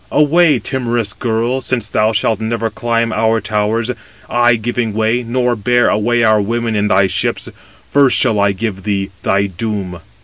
Away! timorous girl! since thou shalt never climb our towers, I giving way, nor bear away our women in thy ships; first shall I give thee thy doom."